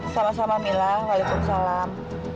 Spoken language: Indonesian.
sama sama mila waalaikumsalam